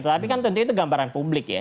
tetapi kan tentu itu gambaran publik ya